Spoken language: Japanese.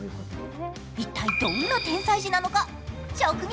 一体、どんな天才児なのか直撃！